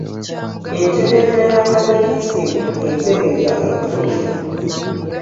Entereeza ya Katekisimu ye ntereeza entuufu.